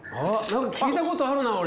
聞いたことあるな俺。